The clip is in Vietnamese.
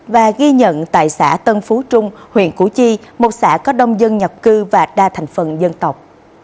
và ghi nhận tại xã tân phú trung huyện củ chi một xã có đông dân nhập cư và đa thành phần dân tộc